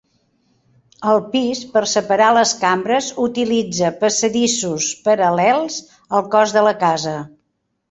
Al pis, per separar les cambres utilitza passadissos paral·lels al cos de la casa.